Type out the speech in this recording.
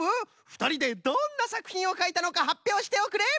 ふたりでどんなさくひんをかいたのかはっぴょうしておくれ！